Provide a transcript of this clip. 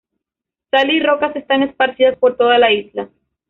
Sal y rocas están esparcidas por toda la isla.